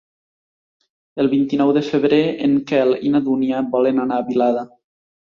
El vint-i-nou de febrer en Quel i na Dúnia volen anar a Vilada.